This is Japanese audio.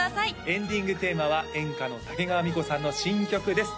エンディングテーマは演歌の竹川美子さんの新曲です